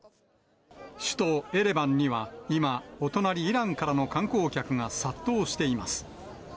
首都エレバンには、今、お隣、イランからの観光客が殺到しています。